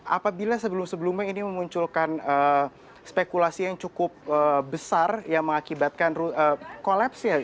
apabila sebelum sebelumnya ini memunculkan spekulasi yang cukup besar yang mengakibatkan kolaps ya